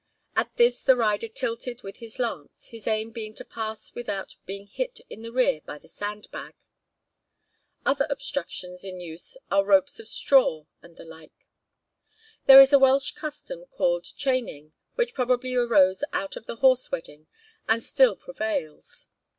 At this the rider tilted with his lance, his aim being to pass without being hit in the rear by the sand bag. Other obstructions in use are ropes of straw and the like. There is a Welsh custom called Chaining, which probably arose out of the horse wedding, and still prevails.